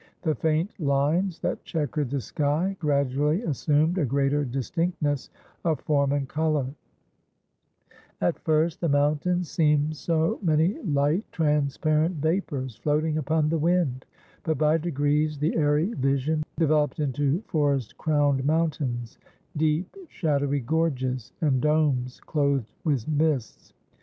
The faint lines that chequered the sky gradually assumed a greater distinctness of form and colour; at first the mountains seemed so many light, transparent vapours, floating upon the wind; but by degrees the airy vision developed into forest crowned mountains, deep shadowy gorges, and domes clothed with mists.